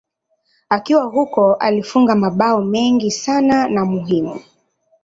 Akiwa huko alifunga mabao mengi sana na muhimu.